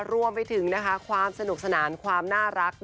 รวมไปถึงความสนุกสนานความน่ารัก